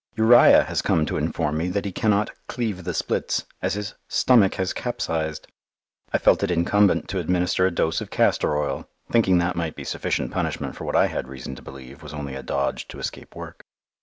Uriah has come to inform me that he cannot "cleave the splits," as his "stomach has capsized." I felt it incumbent to administer a dose of castor oil, thinking that might be sufficient punishment for what I had reason to believe was only a dodge to escape work.